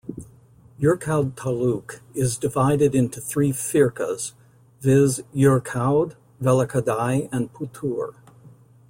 Yercaud Taluk is divided into three Firkas viz., Yercaud, Vellakkadai and Puthur.